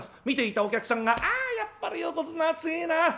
見ていたお客さんが「あやっぱり横綱は強えな。